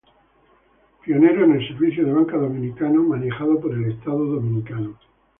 Pionero en el servicio de banca dominicano, manejado por el Estado Dominicano.